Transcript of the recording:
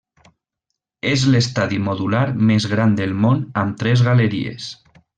És l'estadi modular més gran del món amb tres galeries.